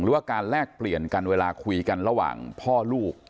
ว่าการแลกเปลี่ยนกันเวลาคุยกันระหว่างพ่อลูก